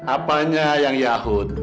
apanya yang yahud